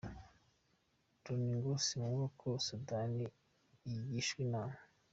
Loni ngo si ngombwa ko Sudani igishwa inama.